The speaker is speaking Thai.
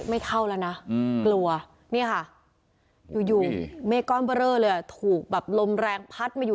ไม่เข้าแล้วนะกลัวนี่ค่ะอยู่เมฆก้อนเบอร์เรอเลยถูกแบบลมแรงพัดมาอยู่